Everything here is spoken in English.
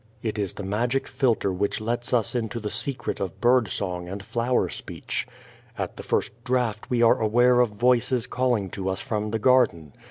It is the magic philtre which lets us into the secret of bird song and flower speech. At the first draught we are 10 The Child Face aware of voices calling to us from the garden.